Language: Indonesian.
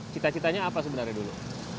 cita citanya apa sebenarnya dulu